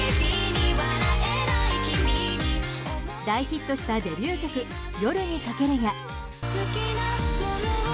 大ヒットしたデビュー曲「夜に駆ける」や。